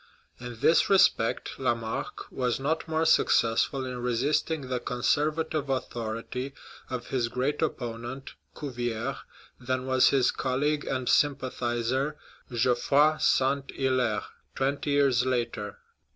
In this respect Lamarck was not more successful in resisting the conservative authority of his great opponent, Cuvier, than was his colleague and sympathizer, Geoffrey St. ''Hilaire, twenty years later.